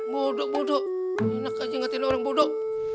bodoh bodoh enak aja ngatain orang bodoh